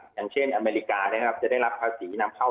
อย่างเช่นอเมริกาได้รับภาษีผู้นำเข้า๐